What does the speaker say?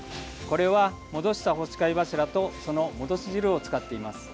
これは戻した干し貝柱とその戻し汁を使っています。